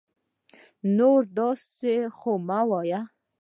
نور نو داسي خو مه وايه